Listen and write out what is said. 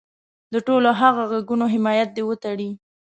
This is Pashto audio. د ټولو هغه غږونو حمایت دې وتړي.